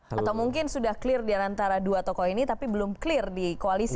atau mungkin sudah clear diantara dua tokoh ini tapi belum clear di koalisi